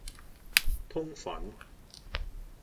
通粉